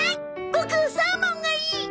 ボクサーモンがいい！